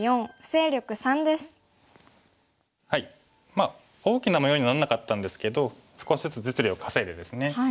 まあ大きな模様にはならなかったんですけど少しずつ実利を稼いでですね。